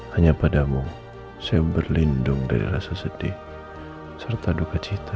hanya padamu saya berlindung dari rasa sedih serta duka cita